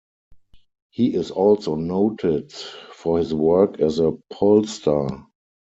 He is also noted for his work as a pollster.